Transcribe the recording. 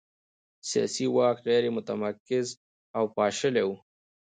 سیاسي واک غیر متمرکز او پاشلی و.